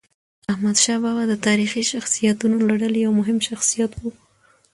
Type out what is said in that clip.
احمدشاه بابا د تاریخي شخصیتونو له ډلې یو مهم شخصیت و.